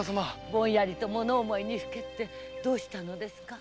ぼんやりと物思いに耽ってどうしたのですか？